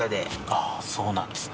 あぁそうなんですね。